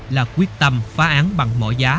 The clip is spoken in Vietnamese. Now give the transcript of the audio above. là quyết tâm phá án bằng mọi giá